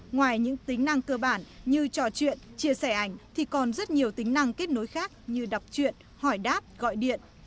ngoài những tính năng cơ bản như trò chuyện chia sẻ ảnh thì còn rất nhiều tính năng kết nối khác như đọc chuyện hỏi đáp gọi điện